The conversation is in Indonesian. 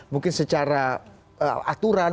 mungkin secara aturan